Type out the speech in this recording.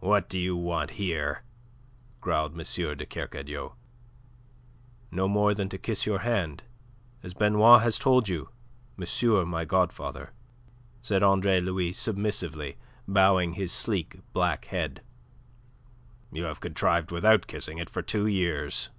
"What do you want here?" growled M. de Kercadiou. "No more than to kiss your hand, as Benoit has told you, monsieur my godfather," said Andre Louis submissively, bowing his sleek black head. "You have contrived without kissing it for two years."